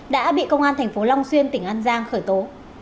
đã bị công an thành phố long xuyên tỉnh an giang khởi tố